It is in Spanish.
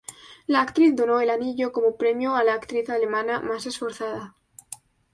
La actriz donó el anillo como premio a la actriz alemana „más esforzada“.